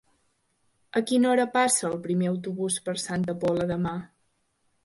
A quina hora passa el primer autobús per Santa Pola demà?